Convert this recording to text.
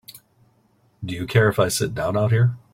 Do you care if I sit down out here?